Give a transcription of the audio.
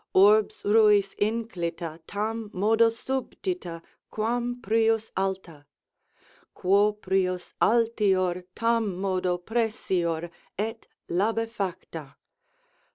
Urbs ruis inclita, tam modo subdita, quam prius alta: Quo prius altior, tam modo pressior, et labefacta.